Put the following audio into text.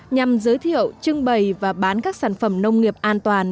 nhằm giới thiệu trưng bày và bán các sản phẩm nông nghiệp an toàn